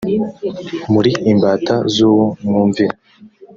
muri imbata z uwo mwumvira